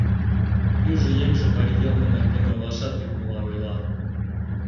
Южо еҥже марий йылме нерген ойлашат лӱдмыла ойла.